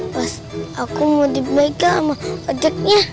terus aku mau dibega sama ojeknya